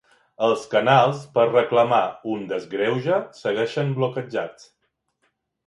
Els canals per reclamar un desgreuge segueixen bloquejats.